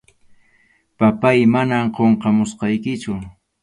Papáy, manam qunqamusaykichu.